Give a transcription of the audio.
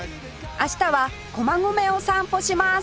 明日は駒込を散歩します